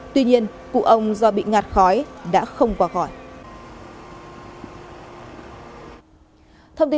tuy nhiên cụ ông do bị ngạt khói đã không qua khỏi